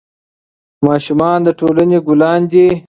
ماشومان د ټولنې ګلان دي.